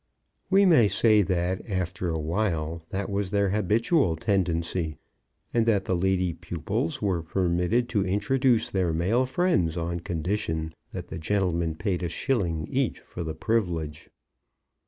We may say that after a while that was their habitual tendency, and that the lady pupils were permitted to introduce their male friends on condition that the gentlemen paid a shilling each for the privilege.